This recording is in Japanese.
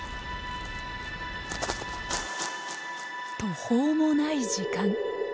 途方もない時間。